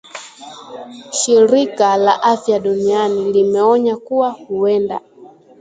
Shirika la Afya Duniani limeonya kuwa huenda